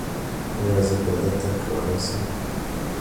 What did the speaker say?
ایا زه پیاده تګ کولی شم؟